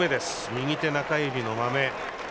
右手中指のまめ。